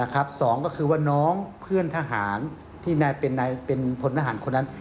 สองก็คือว่าน้องเพื่อนทหารที่เป็นพลทหารคนนั้น